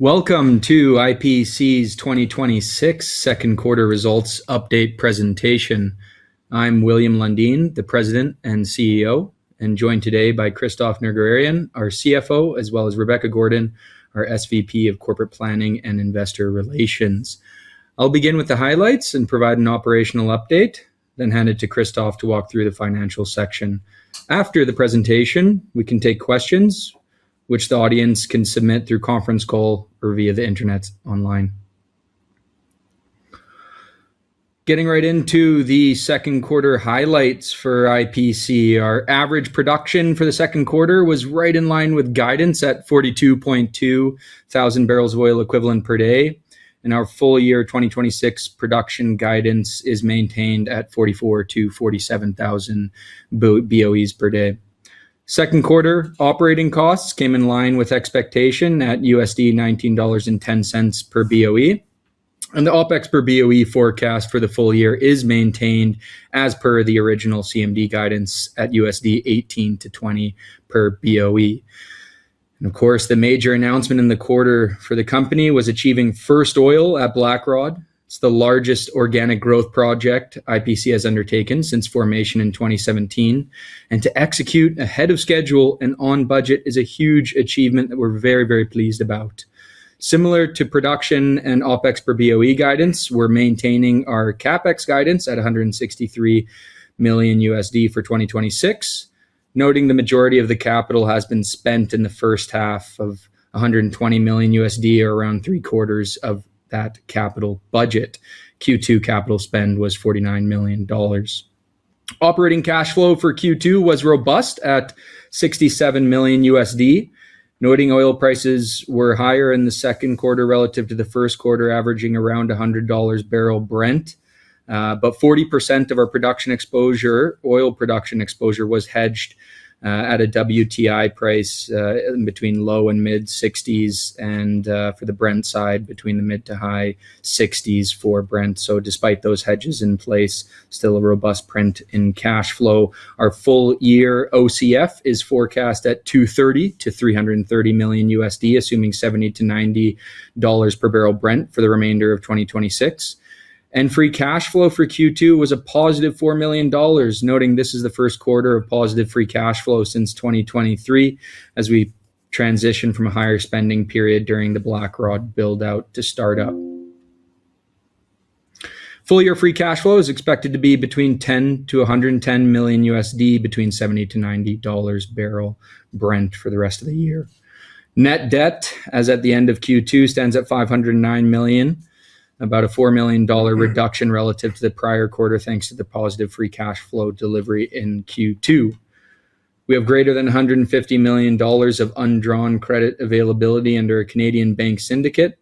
Welcome to IPC's 2026 Second Quarter Results Update Presentation. I'm William Lundin, the President and CEO, and joined today by Christophe Nerguararian, our CFO, as well as Rebecca Gordon, our SVP, Corporate Planning and Investor Relations. I'll begin with the highlights and provide an operational update, hand it to Christophe to walk through the financial section. After the presentation, we can take questions which the audience can submit through conference call or via the Internet online. Getting right into the second quarter highlights for IPC. Our average production for the second quarter was right in line with guidance at 42,200 BOE/D, and our full year 2026 production guidance is maintained at 44,000-47,000 BOEs per day. Second quarter operating costs came in line with expectation at $19.10/BOE, the OpEx per BOE forecast for the full year is maintained as per the original CMD guidance at $18-$20 per BOE. Of course, the major announcement in the quarter for the company was achieving first oil at Blackrod. It's the largest organic growth project IPC has undertaken since formation in 2017, to execute ahead of schedule and on budget is a huge achievement that we're very pleased about. Similar to production and OpEx per BOE guidance, we're maintaining our CapEx guidance at $163 million for 2026, noting the majority of the capital has been spent in the first half of $120 million or around three-quarters of that capital budget. Q2 capital spend was $49 million. Operating cash flow for Q2 was robust at $67 million, noting oil prices were higher in the second quarter relative to the first quarter, averaging around $100/bbl Brent. 40% of our production exposure, oil production exposure was hedged at a WTI price between low and mid $60s and for the Brent side, between the mid to high $60s for Brent. Despite those hedges in place, still a robust print in cash flow. Our full year OCF is forecast at $230 million-$330 million, assuming $70-$90/bbl Brent for the remainder of 2026. Free cash flow for Q2 was a positive $4 million, noting this is the first quarter of positive free cash flow since 2023 as we transition from a higher spending period during the Blackrod build-out to start-up. Full year free cash flow is expected to be between $10 million-$110 million between $70-$90/bbl Brent for the rest of the year. Net debt as at the end of Q2 stands at $509 million, about a $4 million reduction relative to the prior quarter, thanks to the positive free cash flow delivery in Q2. We have greater than $150 million of undrawn credit availability under a Canadian bank syndicate.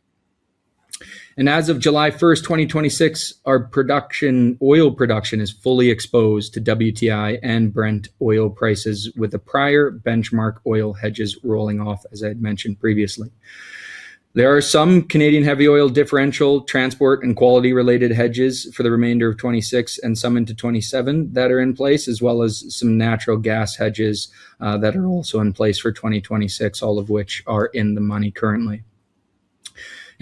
As of July 1st, 2026, our oil production is fully exposed to WTI and Brent oil prices, with the prior benchmark oil hedges rolling off, as I'd mentioned previously. There are some Canadian heavy oil differential transport and quality-related hedges for the remainder of 2026 and some into 2027 that are in place, as well as some natural gas hedges that are also in place for 2026, all of which are in the money currently.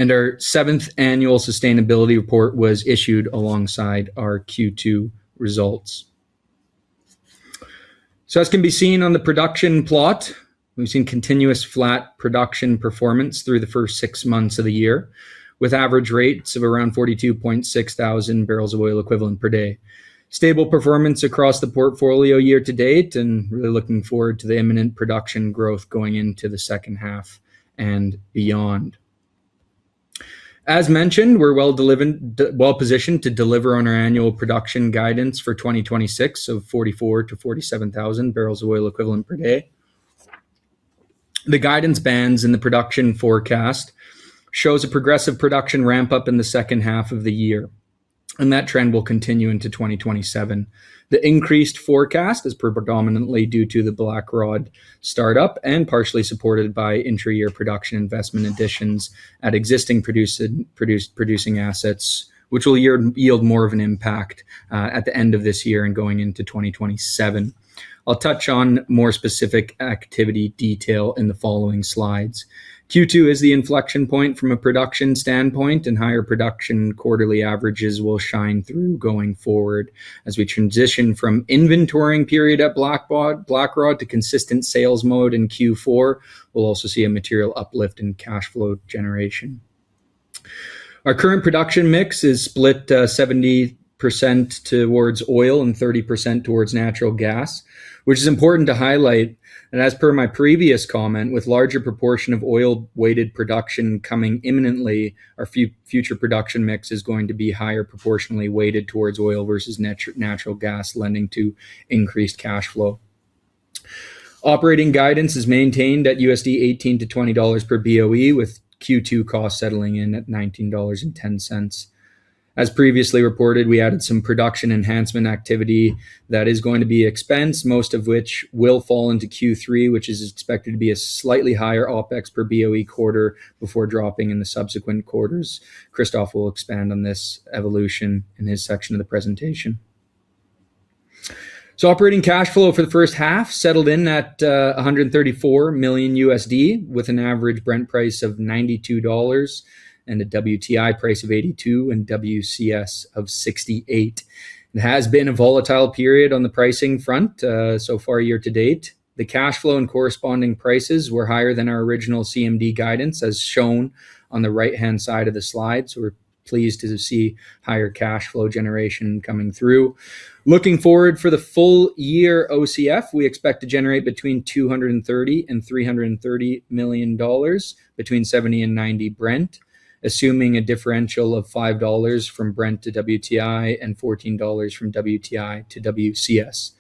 Our seventh annual sustainability report was issued alongside our Q2 results. As can be seen on the production plot, we've seen continuous flat production performance through the first six months of the year, with average rates of around 42,600 BOE/D. Stable performance across the portfolio year to date, looking forward to the imminent production growth going into the second half and beyond. As mentioned, we're well-positioned to deliver on our annual production guidance for 2026 of 44,000-47,000 BOE/D. The guidance bands in the production forecast shows a progressive production ramp-up in the second half of the year, and that trend will continue into 2027. The increased forecast is predominantly due to the Blackrod start-up and partially supported by intra-year production investment additions at existing producing assets, which will yield more of an impact at the end of this year and going into 2027. I'll touch on more specific activity detail in the following slides. Q2 is the inflection point from a production standpoint, and higher production quarterly averages will shine through going forward as we transition from inventorying period at Blackrod to consistent sales mode in Q4. We'll also see a material uplift in cash flow generation. Our current production mix is split 70% towards oil and 30% towards natural gas, which is important to highlight. As per my previous comment, with larger proportion of oil-weighted production coming imminently, our future production mix is going to be higher proportionally weighted towards oil versus natural gas, lending to increased cash flow. Operating guidance is maintained at $18-$20/BOE, with Q2 costs settling in at $19.10. As previously reported, we added some production enhancement activity that is going to be expensed, most of which will fall into Q3, which is expected to be a slightly higher OpEx per BOE quarter before dropping in the subsequent quarters. Christophe will expand on this evolution in his section of the presentation. Operating cash flow for the first half settled in at $134 million, with an average Brent price of $92 and a WTI price of $82 and WCS of $68. It has been a volatile period on the pricing front so far year to date. The cash flow and corresponding prices were higher than our original CMD guidance, as shown on the right-hand side of the slide. We're pleased to see higher cash flow generation coming through. Looking forward for the full year OCF, we expect to generate between $230 million and $330 million, between $70 and $90 Brent, assuming a differential of $5 from Brent to WTI and $14 from WTI to WCS.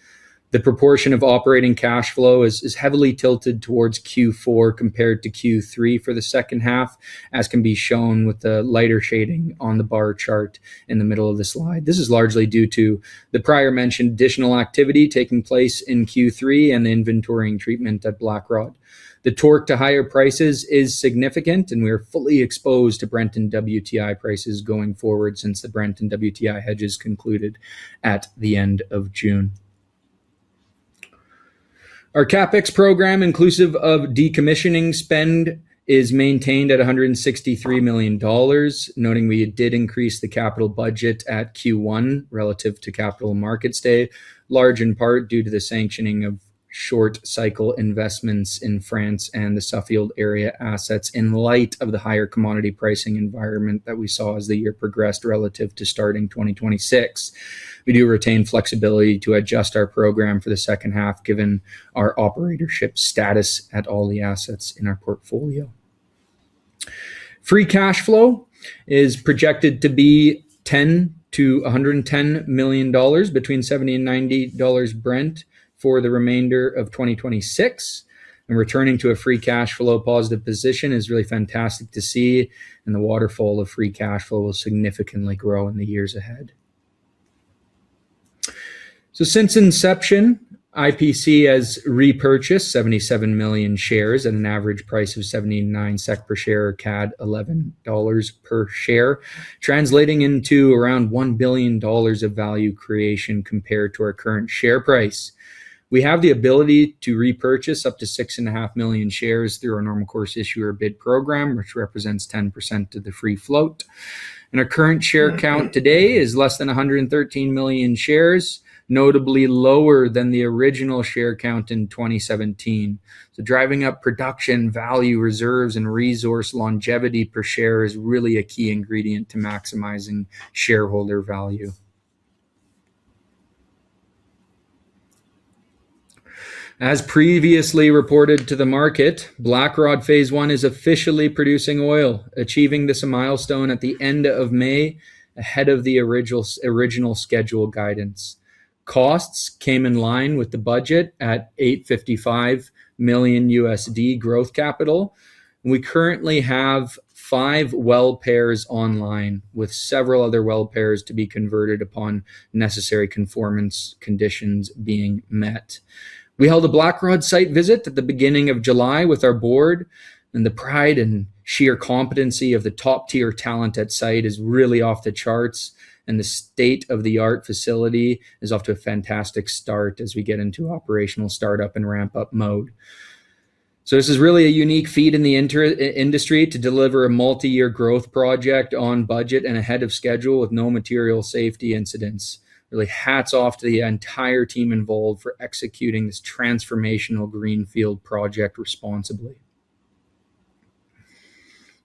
The proportion of operating cash flow is heavily tilted towards Q4 compared to Q3 for the second half, as can be shown with the lighter shading on the bar chart in the middle of the slide. This is largely due to the prior mentioned additional activity taking place in Q3 and the inventorying treatment at Blackrod. The torque to higher prices is significant. We are fully exposed to Brent and WTI prices going forward since the Brent and WTI hedges concluded at the end of June. Our CapEx program, inclusive of decommissioning spend, is maintained at $163 million, noting we did increase the capital budget at Q1 relative to Capital Markets Day, large in part due to the sanctioning of short cycle investments in France and the Suffield area assets in light of the higher commodity pricing environment that we saw as the year progressed relative to starting 2026. We do retain flexibility to adjust our program for the second half, given our operatorship status at all the assets in our portfolio. Free cash flow is projected to be $10 million to $110 million between $70 and $90 Brent for the remainder of 2026. Returning to a free cash flow positive position is really fantastic to see. The waterfall of free cash flow will significantly grow in the years ahead. Since inception, IPC has repurchased 77 million shares at an average price of 79 SEK per share, CAD 11 per share, translating into around $1 billion of value creation compared to our current share price. We have the ability to repurchase up to 6.5 million shares through our normal course issuer bid program, which represents 10% of the free float. Our current share count today is less than 113 million shares, notably lower than the original share count in 2017. Driving up production value reserves and resource longevity per share is really a key ingredient to maximizing shareholder value. As previously reported to the market, Blackrod Phase I is officially producing oil, achieving this milestone at the end of May, ahead of the original scheduled guidance. Costs came in line with the budget at $855 million growth capital. We currently have five well pairs online, with several other well pairs to be converted upon necessary conformance conditions being met. We held a Blackrod site visit at the beginning of July with our board. The pride and sheer competency of the top-tier talent at site is really off the charts. The state-of-the-art facility is off to a fantastic start as we get into operational startup and ramp-up mode. This is really a unique feat in the industry to deliver a multiyear growth project on budget and ahead of schedule with no material safety incidents. Really hats off to the entire team involved for executing this transformational greenfield project responsibly.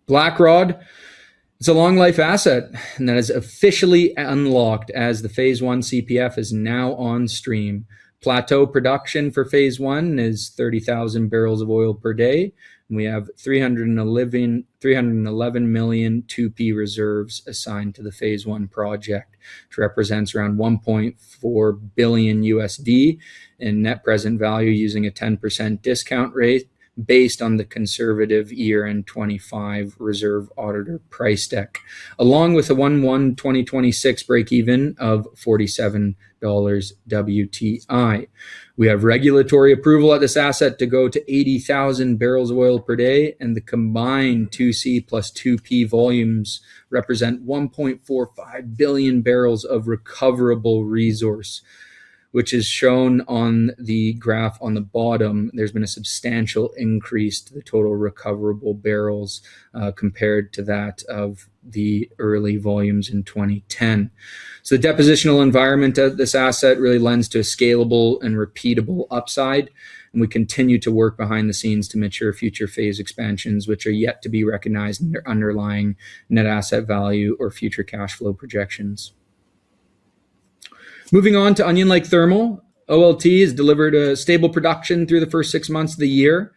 Blackrod is a long-life asset that is officially unlocked as the phase I CPF is now on stream. Plateau production for phase I is 30,000 bbl/d. We have 311 million 2P reserves assigned to the phase I project, which represents around $1.4 billion in net present value using a 10% discount rate based on the conservative year-end 2025 reserve auditor price deck, along with a January 1, 2026 break-even of $47 WTI. We have regulatory approval at this asset to go to 80,000 BOE/D, and the combined 2C + 2P volumes represent 1.45 billion bbl of recoverable resource, which is shown on the graph on the bottom. There's been a substantial increase to the total recoverable barrels, compared to that of the early volumes in 2010. The depositional environment of this asset really lends to a scalable and repeatable upside, and we continue to work behind the scenes to mature future phase expansions, which are yet to be recognized in their underlying net asset value or future cash flow projections. Moving on to Onion Lake Thermal. OLT has delivered a stable production through the first six months of the year.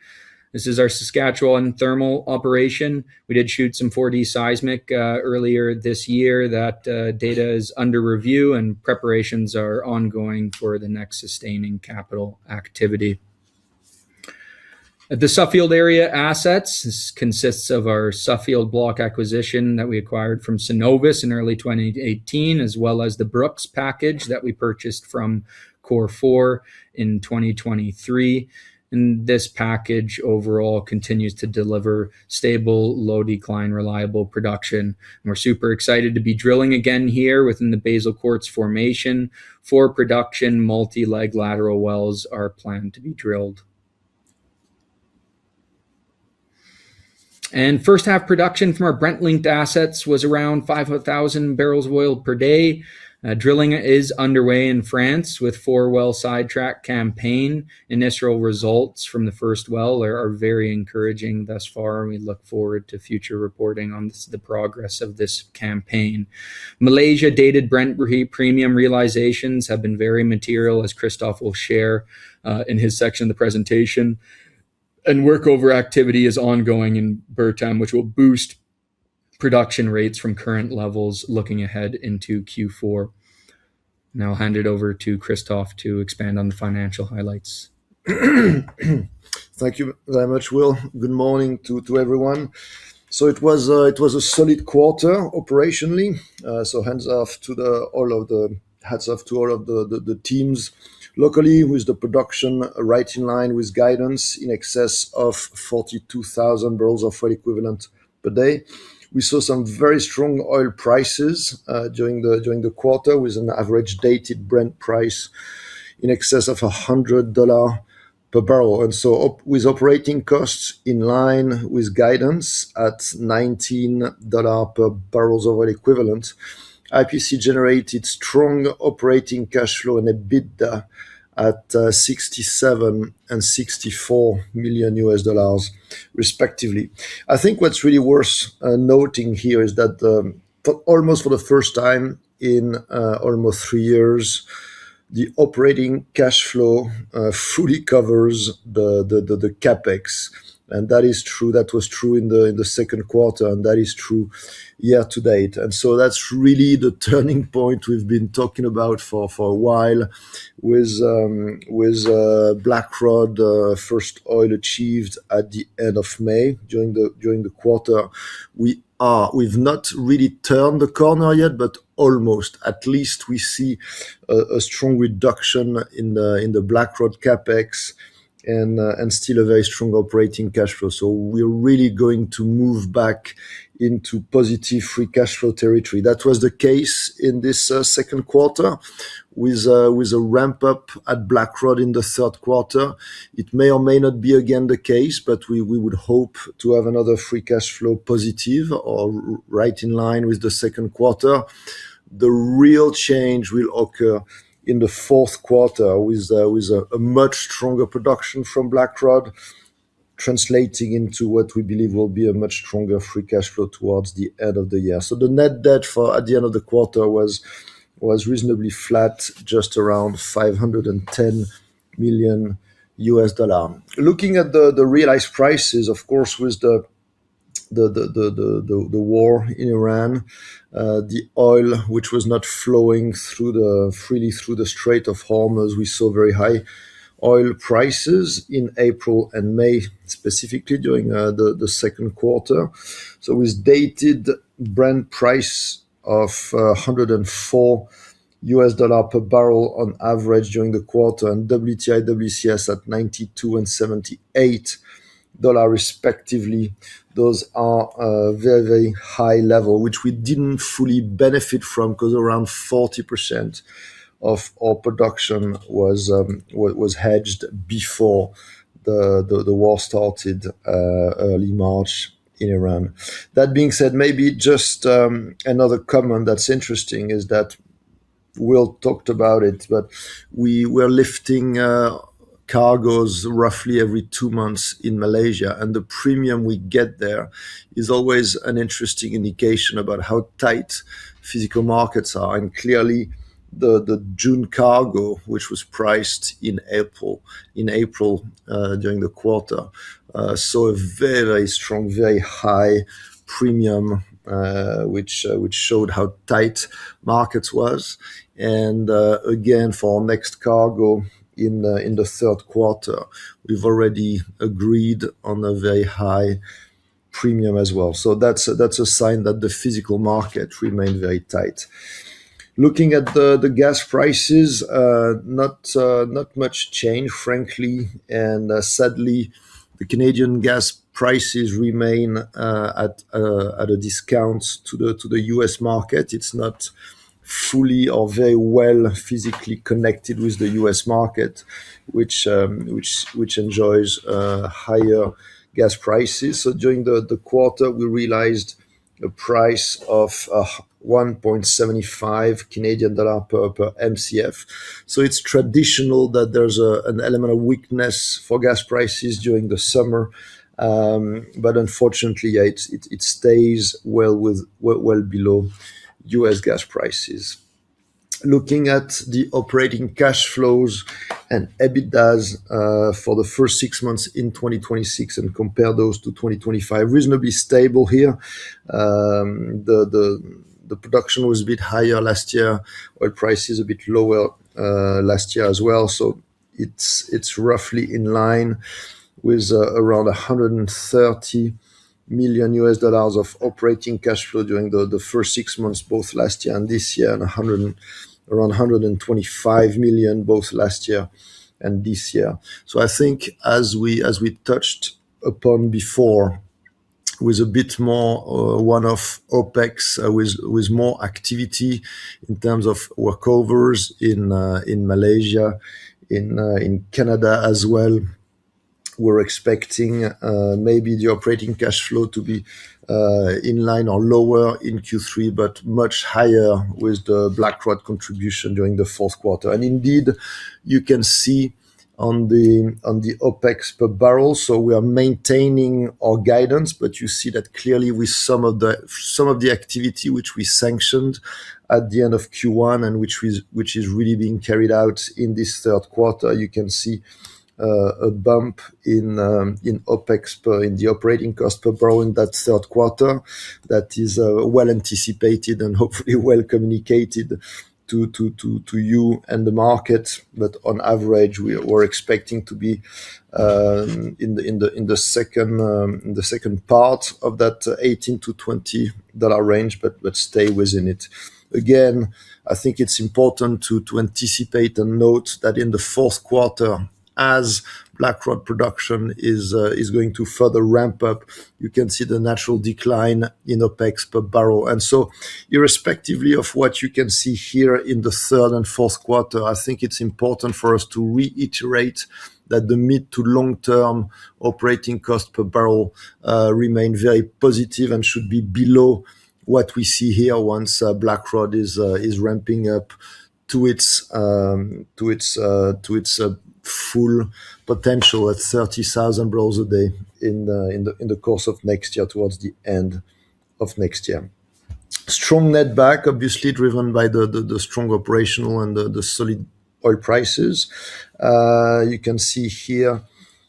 This is our Saskatchewan thermal operation. We did shoot some 4D seismic earlier this year. That data is under review, preparations are ongoing for the next sustaining capital activity. At the Suffield area assets, this consists of our Suffield Block acquisition that we acquired from Cenovus in early 2018, as well as the Brooks package that we purchased from Cor4 in 2023. This package overall continues to deliver stable, low decline, reliable production. We're super excited to be drilling again here within the Basal Quartz formation. Four production multi-leg lateral wells are planned to be drilled. First half production from our Brent-linked assets was around 500,000 bbl/d. Drilling is underway in France with four well sidetrack campaign. Initial results from the first well are very encouraging thus far, and we look forward to future reporting on the progress of this campaign. Malaysia dated Brent premium realizations have been very material, as Christophe will share in his section of the presentation. Workover activity is ongoing in Bertam, which will boost production rates from current levels looking ahead into Q4. I'll hand it over to Christophe to expand on the financial highlights. Thank you very much, Will. Good morning to everyone. It was a solid quarter operationally. Hats off to all of the teams locally with the production right in line with guidance in excess of 42,000 BOE/D. We saw some very strong oil prices during the quarter, with an average dated Brent price in excess of $100/bbl. With operating costs in line with guidance at $19 BOE, IPC generated strong operating cash flow and EBITDA at $67 million and $64 million respectively. I think what's really worth noting here is that, almost for the first time in almost three years, the operating cash flow fully covers the CapEx, and that was true in the second quarter, and that is true year to date. That's really the turning point we've been talking about for a while with Blackrod first oil achieved at the end of May during the quarter. We've not really turned the corner yet, but almost. At least we see a strong reduction in the Blackrod CapEx and still a very strong operating cash flow. We're really going to move back into positive free cash flow territory. That was the case in this second quarter with a ramp-up at Blackrod in the third quarter. It may or may not be again the case, but we would hope to have another free cash flow positive or right in line with the second quarter. The real change will occur in the fourth quarter with a much stronger production from Blackrod, translating into what we believe will be a much stronger free cash flow towards the end of the year. The net debt at the end of the quarter was reasonably flat, just around $510 million. Looking at the realized prices, of course, with the war in Iran, the oil which was not flowing freely through the Strait of Hormuz, we saw very high oil prices in April and May, specifically during the second quarter. With dated Brent price of $104/bbl on average during the quarter, and WTI, WCS at $92 and $78 respectively. Those are very, very high level, which we didn't fully benefit from because around 40% of our production was hedged before the war started early March in Iran. That being said, maybe just another comment that's interesting is that, Will talked about it, but we were lifting cargoes roughly every two months in Malaysia, and the premium we get there is always an interesting indication about how tight physical markets are. Clearly, the June cargo, which was priced in April during the quarter, saw a very, very strong, very high premium, which showed how tight markets was. Again, for our next cargo in the third quarter, we've already agreed on a very high premium as well. That's a sign that the physical market remained very tight. Looking at the gas prices, not much change, frankly, and sadly, the Canadian gas prices remain at a discount to the U.S. market. It's not fully or very well physically connected with the U.S. market, which enjoys higher gas prices. During the quarter, we realized a price of 1.75 Canadian dollar/Mcf. It's traditional that there's an element of weakness for gas prices during the summer. Unfortunately, it stays well below U.S. gas prices. Looking at the operating cash flows and EBITDA, for the first six months in 2026 and compare those to 2025, reasonably stable here. The production was a bit higher last year. Oil prices a bit lower last year as well. It's roughly in line with around $130 million of operating cash flow during the first six months, both last year and this year, and around $125 million both last year and this year. I think as we touched upon before, with a bit more one-off OpEx with more activity in terms of workovers in Malaysia, in Canada as well, we're expecting maybe the operating cash flow to be in line or lower in Q3, but much higher with the Blackrod contribution during the fourth quarter. Indeed, you can see on the OpEx per barrel, we are maintaining our guidance, but you see that clearly with some of the activity which we sanctioned at the end of Q1 and which is really being carried out in this third quarter. You can see a bump in the operating cost per barrel in that third quarter that is well anticipated and hopefully well communicated to you and the market. On average, we're expecting to be in the second part of that $18-$20 range, but stay within it. Again, I think it's important to anticipate and note that in the fourth quarter, as Blackrod production is going to further ramp up, you can see the natural decline in OpEx per barrel. Irrespectively of what you can see here in the third and fourth quarter, I think it's important for us to reiterate that the mid to long-term operating cost per barrel remain very positive and should be below what we see here once Blackrod is ramping up to its full potential at 30,000 bbl/d in the course of next year, towards the end of next year. Strong netback, obviously driven by the strong operational and the solid oil prices. You can see here,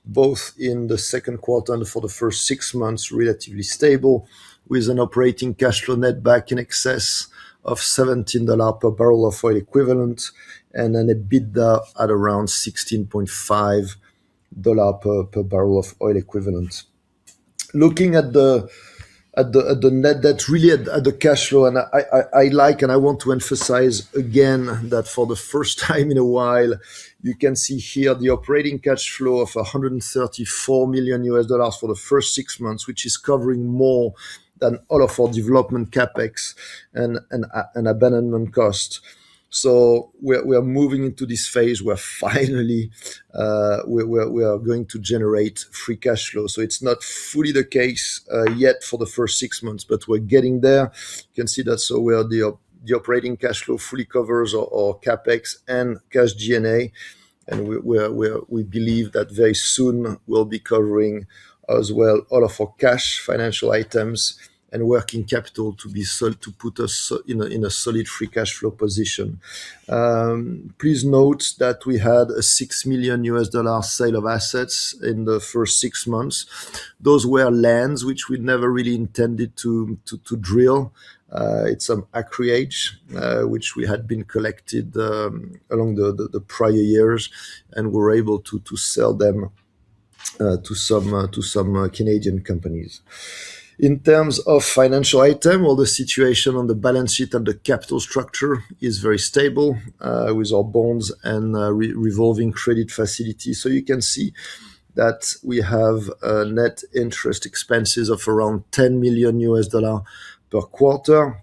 both in the second quarter and for the first six months, relatively stable with an operating cash flow netback in excess of $17/BOE and an EBITDA at around $16.5/BOE. Looking at the net, that's really at the cash flow, I like and I want to emphasize again that for the first time in a while, you can see here the operating cash flow of $134 million for the first six months, which is covering more than all of our development CapEx and abandonment cost. We are moving into this phase where finally, we are going to generate free cash flow. It's not fully the case yet for the first six months, but we're getting there. You can see that. Where the operating cash flow fully covers our CapEx and cash G&A, and we believe that very soon we'll be covering as well all of our cash financial items and working capital to put us in a solid free cash flow position. Please note that we had a $6 million sale of assets in the first six months. Those were lands which we never really intended to drill. It's some acreage, which we had been collected along the prior years and were able to sell them to some Canadian companies. In terms of financial item, well, the situation on the balance sheet and the capital structure is very stable, with our bonds and revolving credit facility. You can see that we have net interest expenses of around $10 million per quarter.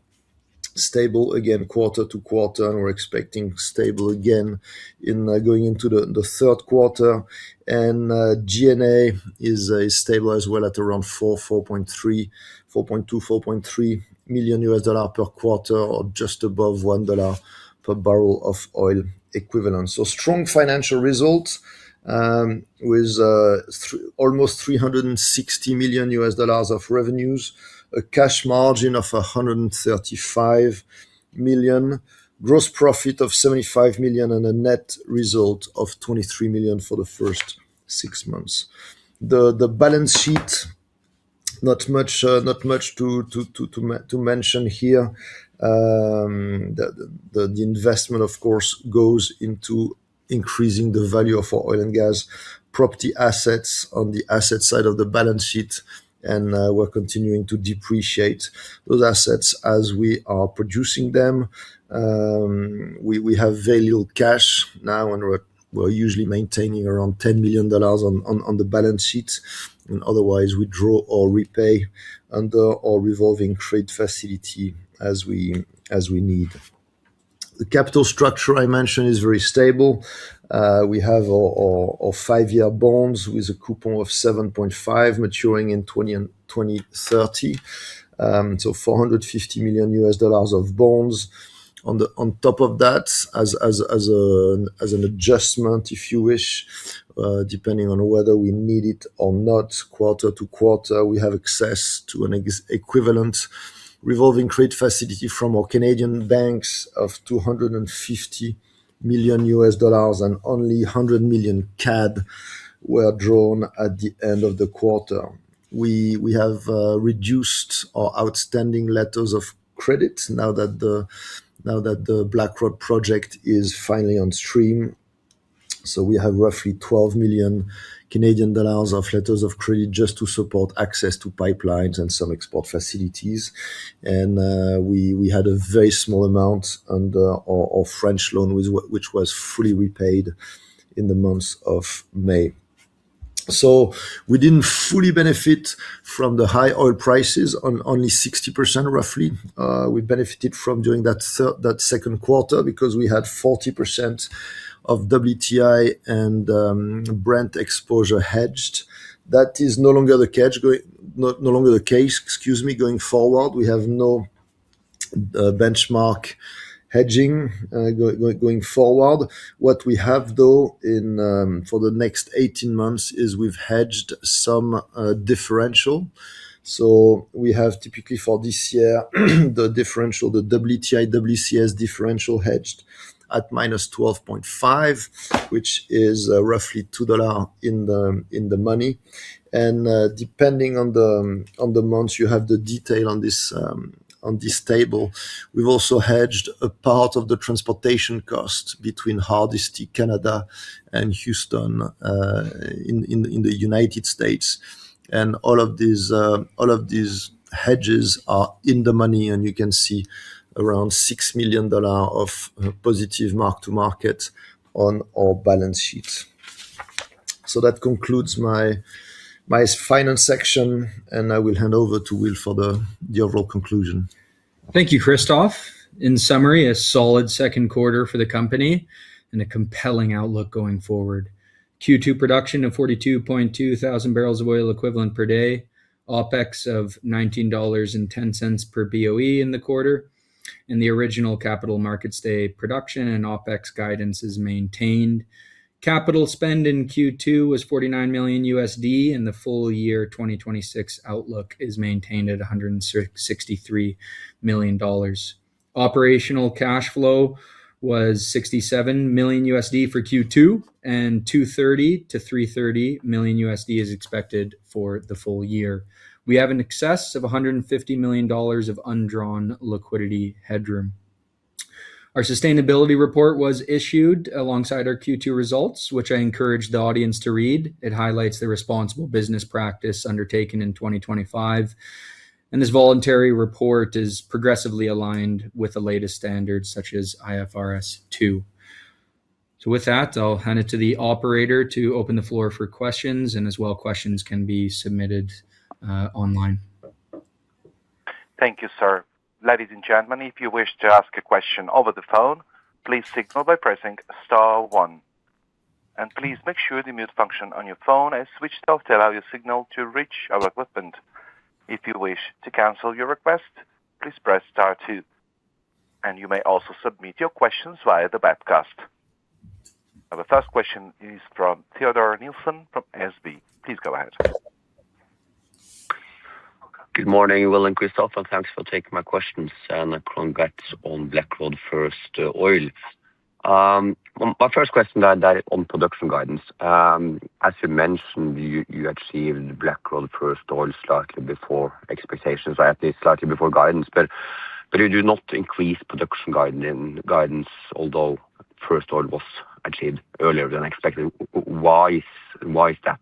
Stable again quarter-to-quarter, and we're expecting stable again going into the third quarter. G&A is stable as well at around $4 million, $4.3 million, $4.2 million, $4.3 million per quarter or just above $1/BOE. Strong financial results with almost $360 million of revenues, a cash margin of $135 million, gross profit of $75 million, and a net result of $23 million for the first six months. The balance sheet, not much to mention here. The investment, of course, goes into increasing the value of our oil and gas property assets on the asset side of the balance sheet, and we're continuing to depreciate those assets as we are producing them. We have very little cash now, and we're usually maintaining around $10 million on the balance sheet, and otherwise, we draw or repay under our revolving trade facility as we need. The capital structure I mentioned is very stable. We have our five-year bonds with a coupon of 7.5% maturing in 2030, $450 million of bonds. On top of that, as an adjustment, if you wish, depending on whether we need it or not, quarter to quarter, we have access to an equivalent revolving credit facility from our Canadian banks of $250 million, and only 100 million CAD were drawn at the end of the quarter. We have reduced our outstanding letters of credit now that the Blackrod project is finally on stream. We have roughly 12 million Canadian dollars of letters of credit just to support access to pipelines and some export facilities. We had a very small amount under our French loan, which was fully repaid in the month of May. We didn't fully benefit from the high oil prices, only 60% roughly. We benefited from doing that second quarter because we had 40% of WTI and Brent exposure hedged. That is no longer the case going forward. We have no benchmark hedging going forward. What we have, though, for the next 18 months, is we've hedged some differential. We have typically for this year, the differential, the WTI, WCS differential hedged at -$12.5, which is roughly $2 in the money. Depending on the months, you have the detail on this table. We've also hedged a part of the transportation cost between Hardisty, Canada, and Houston in the United States. All of these hedges are in the money, and you can see around $6 million of positive mark to market on our balance sheet. That concludes my finance section, and I will hand over to Will for the overall conclusion. Thank you, Christophe. In summary, a solid second quarter for the company and a compelling outlook going forward. Q2 production of 42,200 BOE/D, OpEx of $19.10 per BOE in the quarter, and the original Capital Markets Day production and OpEx guidance is maintained. Capital spend in Q2 was $49 million, and the full year 2026 outlook is maintained at $163 million. Operational cash flow was $67 million for Q2, and $230 million-$330 million is expected for the full year. We have in excess of $150 million of undrawn liquidity headroom. Our sustainability report was issued alongside our Q2 results, which I encourage the audience to read. It highlights the responsible business practice undertaken in 2025, and this voluntary report is progressively aligned with the latest standards such as IFRS S2. With that, I'll hand it to the operator to open the floor for questions, and as well, questions can be submitted online. Thank you, sir. Ladies and gentlemen, if you wish to ask a question over the phone, please signal by pressing star one, and please make sure the mute function on your phone is switched off to allow your signal to reach our equipment. If you wish to cancel your request, please press star two. You may also submit your questions via the webcast. The first question is from Teodor Nilsen from SB. Please go ahead. Good morning, Will and Christophe, and thanks for taking my questions, and congrats on Blackrod first oil. My first question, that is on production guidance. As you mentioned, you achieved Blackrod first oil slightly before expectations, at least slightly before guidance, but you do not increase production guidance, although first oil was achieved earlier than expected. Why is that?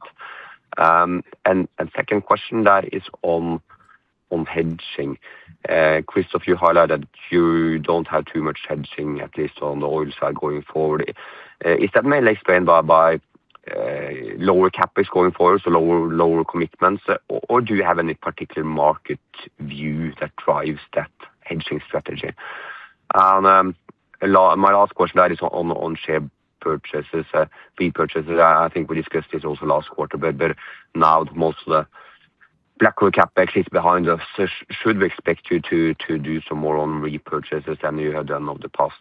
Second question that is on hedging. Christophe, you highlighted you don't have too much hedging, at least on the oil side, going forward. Is that mainly explained by lower CapEx going forward, so lower commitments, or do you have any particular market view that drives that hedging strategy? My last question that is on share repurchases. I think we discussed this also last quarter, now that most of the Blackrod CapEx is behind us, should we expect you to do some more on repurchases than you have done over the past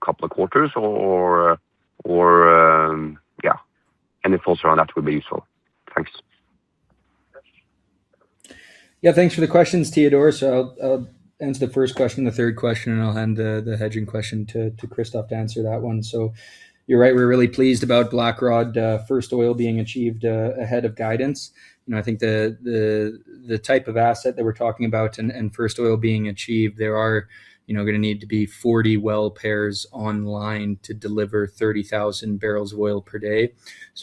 couple of quarters or Yeah. Any thoughts around that would be useful. Thanks. Thanks for the questions, Teodor. I'll answer the first question, the third question, and I'll hand the hedging question to Christophe to answer that one. You're right, we're really pleased about Blackrod first oil being achieved ahead of guidance. I think the type of asset that we're talking about and first oil being achieved there are going to need to be 40 well pairs online to deliver 30,000 bbl/d.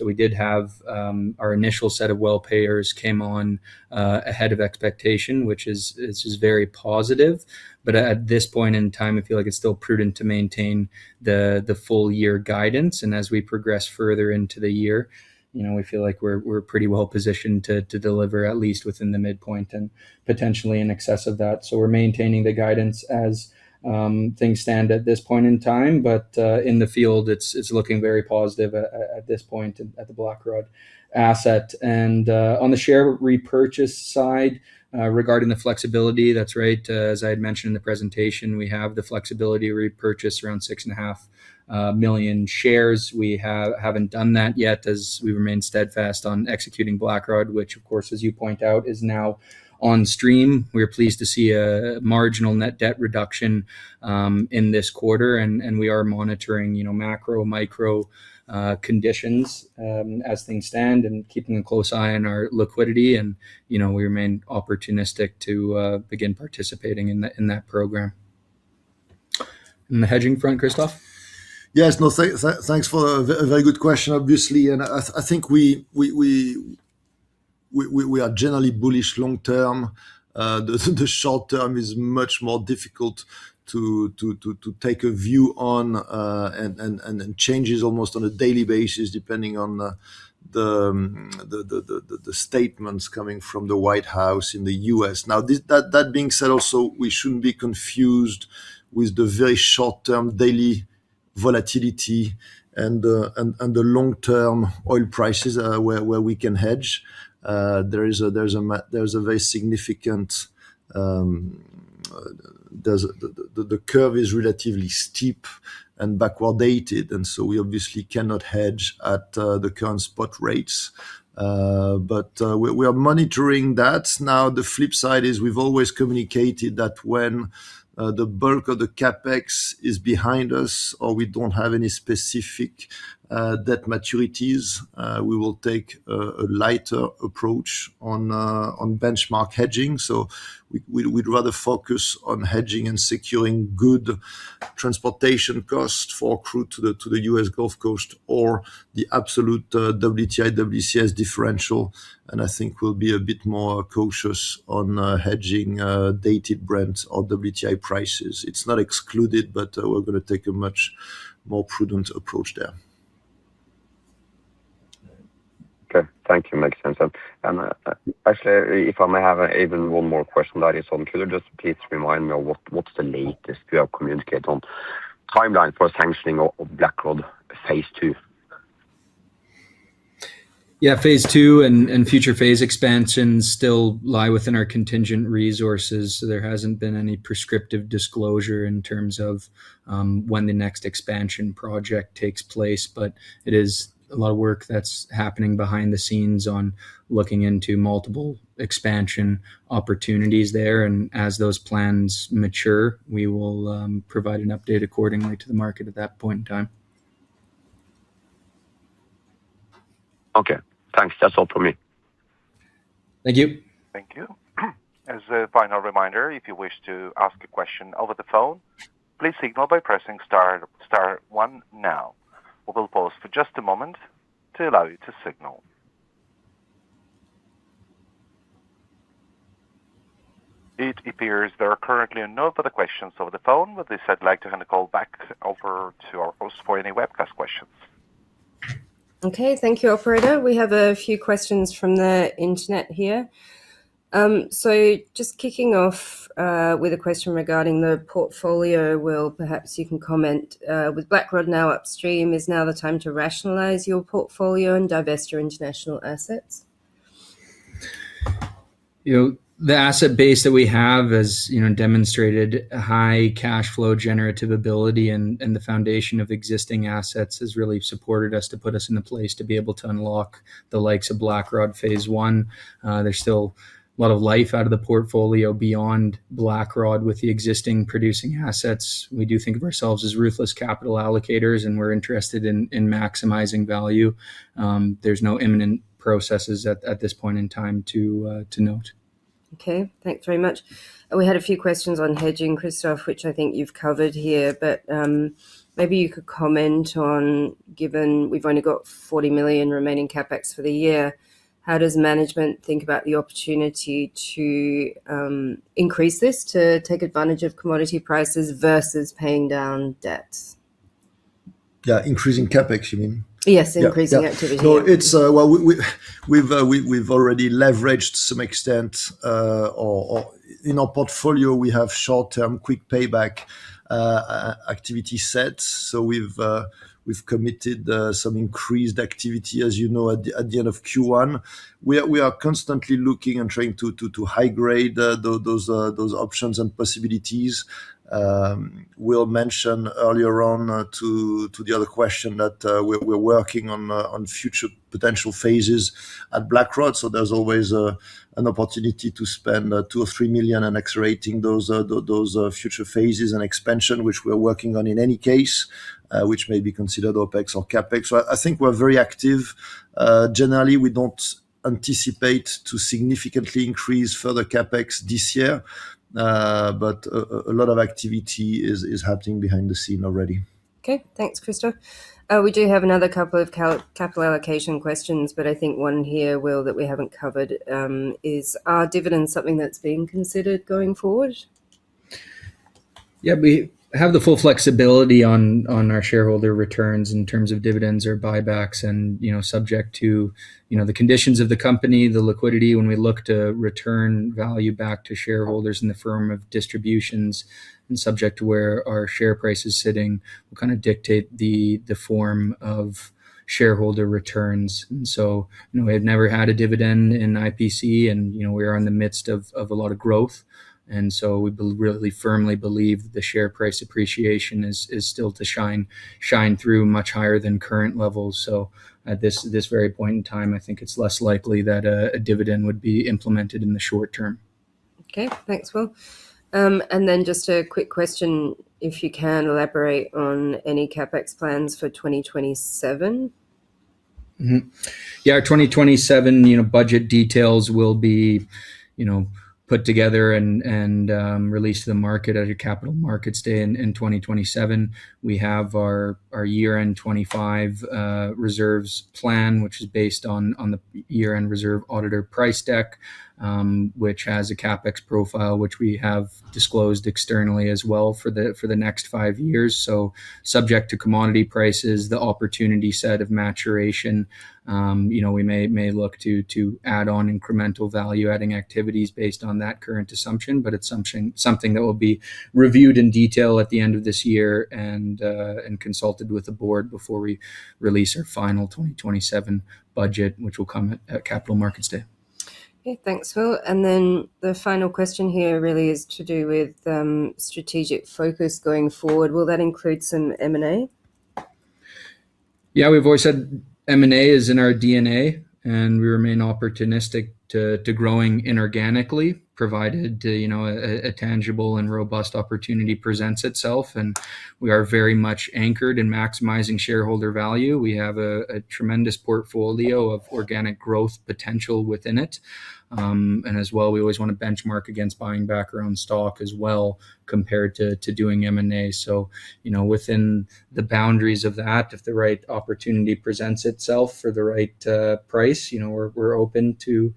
We did have our initial set of well pairs came on ahead of expectation, which is very positive, but at this point in time, I feel like it's still prudent to maintain the full-year guidance. As we progress further into the year, we feel like we're pretty well positioned to deliver at least within the midpoint and potentially in excess of that. We're maintaining the guidance as things stand at this point in time, but in the field, it's looking very positive at this point at the Blackrod asset. On the share repurchase side, regarding the flexibility, that's right. As I had mentioned in the presentation, we have the flexibility to repurchase around 6.5 million shares. We haven't done that yet as we remain steadfast on executing Blackrod, which, of course, as you point out, is now on stream. We are pleased to see a marginal net debt reduction in this quarter. We are monitoring macro, micro conditions as things stand and keeping a close eye on our liquidity. We remain opportunistic to begin participating in that program. On the hedging front, Christophe? Thanks for a very good question, obviously. I think we are generally bullish long term. The short term is much more difficult to take a view on and changes almost on a daily basis depending on the statements coming from the White House in the U.S. That being said also, we shouldn't be confused with the very short-term daily volatility and the long-term oil prices where we can hedge. The curve is relatively steep and backward dated, so we obviously cannot hedge at the current spot rates. We are monitoring that. The flip side is we've always communicated that when the bulk of the CapEx is behind us or we don't have any specific debt maturities, we will take a lighter approach on benchmark hedging. We'd rather focus on hedging and securing good transportation costs for crude to the U.S. Gulf Coast or the absolute WTI, WCS differential. I think we'll be a bit more cautious on hedging dated Brent or WTI prices. It's not excluded, but we're going to take a much more prudent approach there. Okay. Thank you. Makes sense then. Actually, if I may have even one more question that is on [Blackrod]. Just please remind me what's the latest you have communicated on timeline for sanctioning of Blackrod phase II? Yeah, phase II and future phase expansions still lie within our contingent resources. There hasn't been any prescriptive disclosure in terms of when the next expansion project takes place, it is a lot of work that's happening behind the scenes on looking into multiple expansion opportunities there, as those plans mature, we will provide an update accordingly to the market at that point in time. Okay, thanks. That's all for me. Thank you. Thank you. As a final reminder, if you wish to ask a question over the phone, please signal by pressing star one now. We will pause for just a moment to allow you to signal. It appears there are currently no further questions over the phone. With this, I'd like to hand the call back over to our host for any webcast questions. Okay. Thank you, operator. We have a few questions from the internet here. Just kicking off with a question regarding the portfolio. Will, perhaps you can comment. With Blackrod now upstream, is now the time to rationalize your portfolio and divest your international assets? The asset base that we have has demonstrated a high cash flow generative ability and the foundation of existing assets has really supported us to put us in a place to be able to unlock the likes of Blackrod phase I. There's still a lot of life out of the portfolio beyond Blackrod with the existing producing assets. We do think of ourselves as ruthless capital allocators, and we're interested in maximizing value. There's no imminent processes at this point in time to note. Okay, thanks very much. We had a few questions on hedging, Christophe, which I think you've covered here, but maybe you could comment on, given we've only got $40 million remaining CapEx for the year, how does management think about the opportunity to increase this to take advantage of commodity prices versus paying down debts? Yeah, increasing CapEx, you mean? Yes, increasing activity. Well, we've already leveraged to some extent. In our portfolio, we have short-term, quick payback activity sets. We've committed some increased activity, as you know, at the end of Q1. We are constantly looking and trying to high grade those options and possibilities. Will mentioned earlier on to the other question that we're working on future potential phases at Blackrod. There's always an opportunity to spend $2 million or $3 million on accelerating those future phases and expansion, which we are working on in any case, which may be considered OpEx or CapEx. I think we're very active. Generally, we don't anticipate to significantly increase further CapEx this year. A lot of activity is happening behind the scene already. Okay. Thanks, Christophe. We do have another couple of capital allocation questions. I think one here, Will, that we haven't covered is, are dividends something that's being considered going forward? Yeah, we have the full flexibility on our shareholder returns in terms of dividends or buybacks and subject to the conditions of the company, the liquidity when we look to return value back to shareholders in the form of distributions and subject to where our share price is sitting will kind of dictate the form of shareholder returns. We have never had a dividend in IPC and so we really firmly believe the share price appreciation is still to shine through much higher than current levels. At this very point in time, I think it's less likely that a dividend would be implemented in the short term. Okay, thanks, Will. Just a quick question, if you can elaborate on any CapEx plans for 2027. Yeah, our 2027 budget details will be put together and released to the market at our Capital Markets Day in 2027. We have our year-end 2025 reserves plan, which is based on the year-end reserve auditor price deck, which has a CapEx profile, which we have disclosed externally as well for the next five years. Subject to commodity prices, the opportunity set of maturation, we may look to add on incremental value-adding activities based on that current assumption, but it's something that will be reviewed in detail at the end of this year and consulted with the board before we release our final 2027 budget, which will come at Capital Markets Day. Okay, thanks, Will. The final question here really is to do with strategic focus going forward. Will that include some M&A? Yeah, we've always said M&A is in our DNA. We remain opportunistic to growing inorganically, provided a tangible and robust opportunity presents itself. We are very much anchored in maximizing shareholder value. We have a tremendous portfolio of organic growth potential within it. As well, we always want to benchmark against buying back our own stock as well, compared to doing M&A. Within the boundaries of that, if the right opportunity presents itself for the right price, we're open to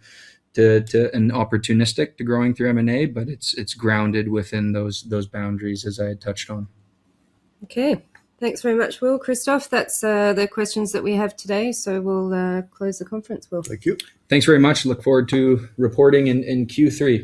and opportunistic to growing through M&A, but it's grounded within those boundaries as I had touched on. Okay. Thanks very much, Will. Christophe, that's the questions that we have today. We'll close the conference, Will. Thank you. Thanks very much. Look forward to reporting in Q3.